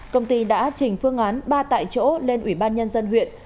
công ty đã trình phương án ba tại chỗ lên ủy ban nhân dân huyện